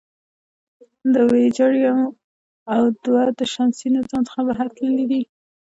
د وویجر یو او دوه د شمسي نظام څخه بهر تللي دي.